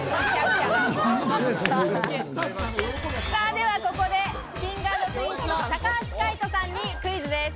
ではここで、Ｋｉｎｇ＆Ｐｒｉｎｃｅの高橋海人さんにクイズです。